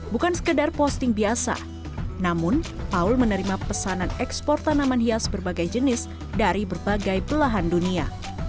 bukan sekedar posting biasa namun paul menerima pesanan ekspor tanaman hias berbagai jenis dari berbagai belahan dunia